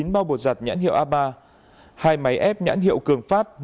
một mươi chín bao bột giặt nhãn hiệu a ba hai máy ép nhãn hiệu cường pháp